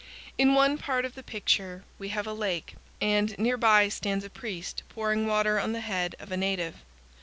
In one part of the picture we have a lake, and near by stands a priest pouring water on the head of a native.